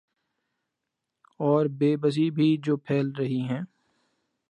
اوربے بسی بھی جو پھیل رہی ہیں۔